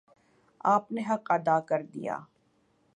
آپ نے حق ادا کر دیا